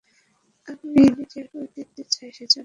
আমি নিজের পরিতৃপ্তি চাই, সেইজন্য আমি এই নারীটিকে বিবাহ করিব।